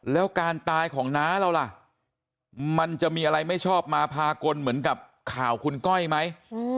แล้วการตายของน้าเราล่ะมันจะมีอะไรไม่ชอบมาพากลเหมือนกับข่าวคุณก้อยไหม